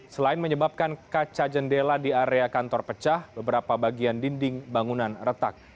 selain menyebabkan kaca jendela di area kantor pecah beberapa bagian dinding bangunan retak